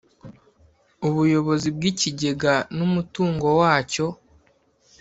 Ubuyobozi bw ikigega n umutungo wacyo